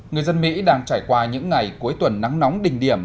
người dân mỹ đang trải qua những ngày cuối tuần nắng nóng đỉnh điểm